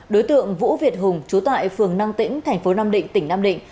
đối tượng vũ việt hùng trú tại phường năng tĩnh thành phố nam định tỉnh nam định